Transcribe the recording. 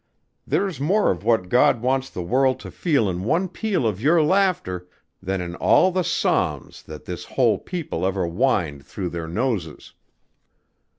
There's more of what God wants the world to feel in one peal of your laughter than in all the psalms that this whole people ever whined through their noses.